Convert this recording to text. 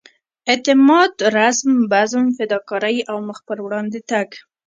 اعتماد رزم بزم فداکارۍ او مخ پر وړاندې تګ.